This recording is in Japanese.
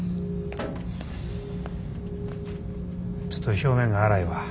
ちょっと表面が粗いわ。